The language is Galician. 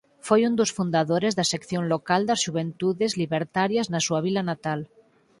Foi un dos fundadores da sección local das Xuventudes Libertarias na súa vila natal.